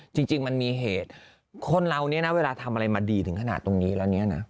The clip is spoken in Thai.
จริงมันมีเหตุคนเราเนี่ยนะเวลาทำอะไรมาดีถึงขนาดตรงนี้แล้วเนี่ยนะ